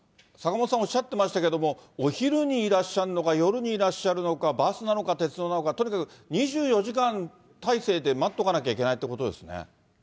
坂本さん、おっしゃってましたけど、お昼にいらっしゃるのか、夜にいらっしゃるのか、バスなのか鉄道なのか、とにかく２４時間態勢で待っとかなきゃいけないということですね。